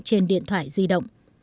trên điện thoại di động